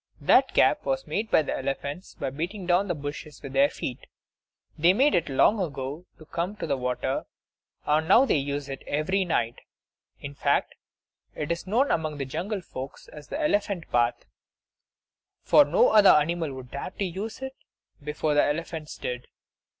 That gap was made by elephants by beating down the bushes with their feet. They made it long ago to come to the water, and now they use it every night. In fact, it is known among the jungle folks as the Elephant Path; for no other animal would dare to use it before the elephants did.